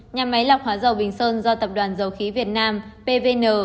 nhà máy lọc hóa dầu bình sơn do tập đoàn dầu khí việt nam pvn